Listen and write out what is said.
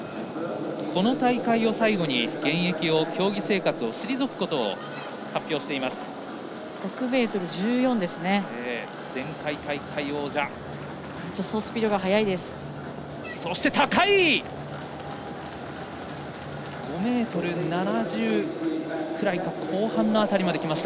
この大会を最後に現役、競技生活を退くことを発表しています。